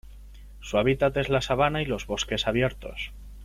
Su hábitat es la sabana y los bosques abiertos.